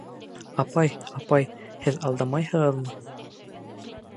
— Апай, апай, һеҙ алдамайһығыҙмы?